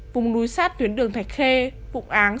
vùng núi sát tuyến đường thạch khê phụng áng